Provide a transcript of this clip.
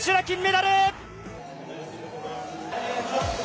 金メダル。